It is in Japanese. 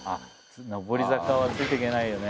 上り坂はついていけないよね。